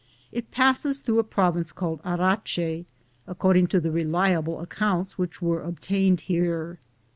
It passes through a province called Arache, according to the reliable accounts which were obtained here.